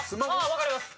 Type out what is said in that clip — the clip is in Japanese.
分かります。